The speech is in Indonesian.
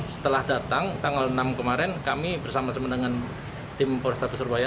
setelah datang tanggal enam kemarin kami bersama sama dengan tim polrestabes surabaya